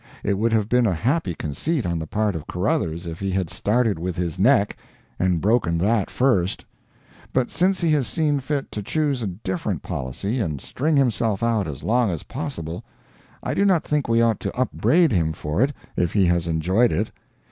It would have been a happy conceit on the part of Caruthers if he had started with his neck and broken that first; but since he has seen fit to choose a different policy and string himself out as long as possible, I do not think we ought to upbraid him for it if he has enjoyed it.